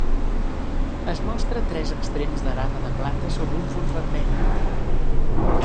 Es mostra tres extrems d'arada de plata sobre un fons vermell.